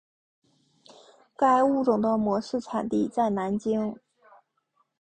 该物种的模式产地在南京。